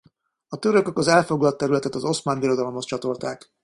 A törökök az elfoglalt területet az Oszmán Birodalomhoz csatolták.